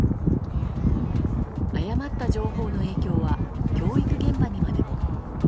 誤った情報の影響は教育現場にまでも。